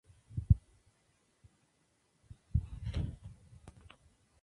Es hijo del dirigente comunista Humberto Vargas Carbonell y de Pilar Corrales.